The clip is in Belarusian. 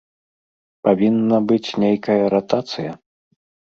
Павінна быць нейкая ратацыя?